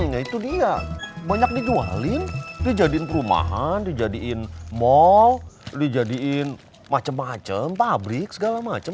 ya itu dia banyak dijualin dijadiin perumahan dijadiin mal dijadiin macem macem pabrik segala macem